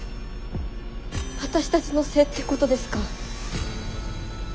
私たちのせいってことですか？